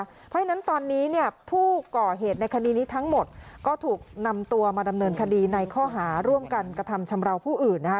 เพราะฉะนั้นตอนนี้เนี่ยผู้ก่อเหตุในคดีนี้ทั้งหมดก็ถูกนำตัวมาดำเนินคดีในข้อหาร่วมกันกระทำชำราวผู้อื่นนะคะ